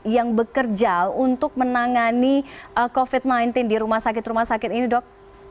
yang bekerja untuk menangani covid sembilan belas di rumah sakit rumah sakit ini dok